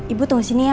ibu tunggu sini ya